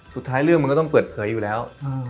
เรื่องมันก็ต้องเปิดเผยอยู่แล้ว